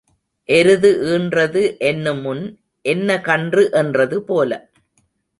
எருது ஈன்றது என்னுமுன் என்ன கன்று என்றது போல.